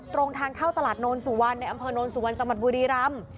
ตรงทางเข้าตลาดโนนสุวรรณในอำเภอโนนสุวรรณจังหวัดบุรีรำ